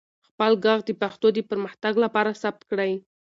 خپل ږغ د پښتو د پرمختګ لپاره ثبت کړئ.